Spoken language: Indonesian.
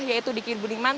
yaitu diki budiman